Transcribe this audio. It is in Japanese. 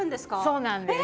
そうなんです。